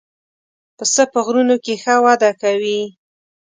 پسه په غرونو کې ښه وده کوي.